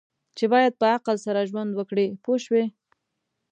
چې باید په عقل سره ژوند وکړي پوه شوې!.